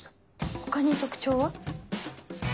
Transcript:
他に特徴は？